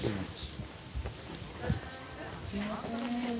すいません。